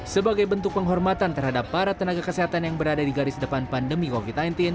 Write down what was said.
sebagai bentuk penghormatan terhadap para tenaga kesehatan yang berada di garis depan pandemi covid sembilan belas